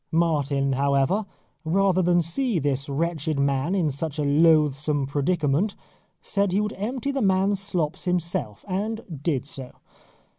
Martin, however, rather than see this wretched man in such a loathsome predicament, said he would empty the man's slops himself, and did so.